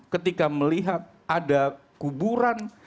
ketika melihat ada kuburan